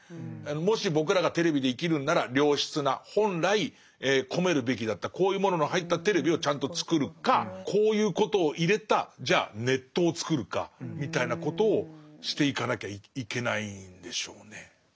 もし僕らがテレビで生きるんなら良質な本来込めるべきだったこういうものの入ったテレビをちゃんとつくるかこういうことを入れたじゃあネットをつくるかみたいなことをしていかなきゃいけないんでしょうね。